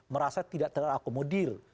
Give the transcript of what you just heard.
merasa tidak terakomodir